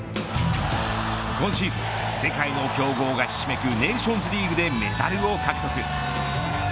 今シーズン、世界の強豪がひしめくネーションズリーグでメダルを獲得。